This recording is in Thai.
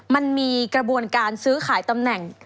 มันมีกระบวนการซื้อขายตำแหน่ง